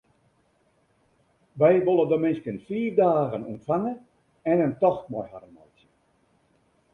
Wy wolle de minsken fiif dagen ûntfange en in tocht mei harren meitsje.